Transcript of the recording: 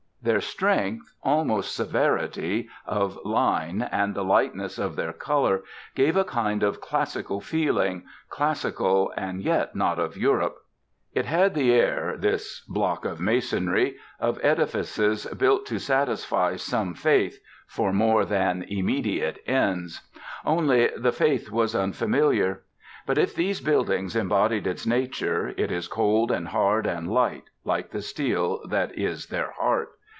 Their strength, almost severity, of line and the lightness of their colour gave a kind of classical feeling, classical, and yet not of Europe. It had the air, this block of masonry, of edifices built to satisfy some faith, for more than immediate ends. Only, the faith was unfamiliar. But if these buildings embodied its nature, it is cold and hard and light, like the steel that is their heart.